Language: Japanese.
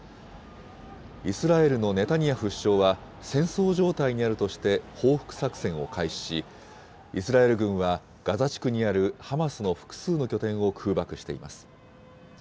イスラエルのネタニヤフ首相は、戦争状態にあるとして、報復作戦を開始し、イスラエル軍は、ガザ地区にあるハマスの複数の拠点を空爆しています。